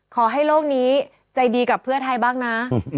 ขอให้โลกนี้ใจดีกับเพื่อไทยบ้างนะ